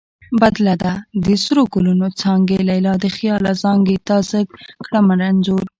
بدله ده: د سرو ګلونو څانګې لیلا د خیاله زانګې تا زه کړمه رنځور